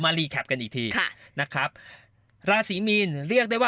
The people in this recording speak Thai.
ไม่อยากจะพูดเลยอะ